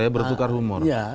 bertukar humor ya